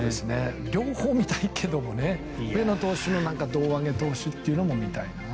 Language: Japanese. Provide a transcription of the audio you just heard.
両方見たいけど上野投手の胴上げ投手も見たいな。